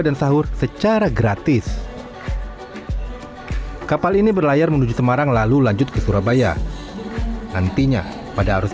dan sahur secara gratis kapal ini berlayar menuju semarang lalu lanjut ke surabaya nantinya pada arus